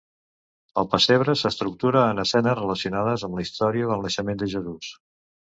El pessebre s’estructura en escenes relacionades amb la història del naixement de Jesús.